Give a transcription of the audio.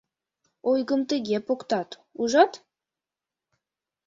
— Ойгым тыге поктат, ужат?